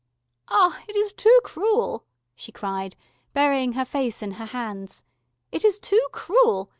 "Ah, it is too cruel," she cried, burying her face in her hands. "It is too cruel.